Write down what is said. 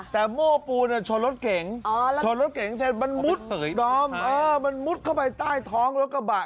แต่โม้ปูเนี่ยชนรถเก่งอ๋อชนรถเก่งเฉพาะมันมุดมันมุดเข้าไปใต้ท้องรถกระบะครับ